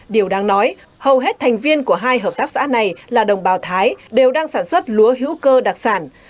điều đáng nói hầu hết thành viên của hai hợp tác xã này là đồng bào thái đều đang sản xuất lúa hữu cơ đặc sản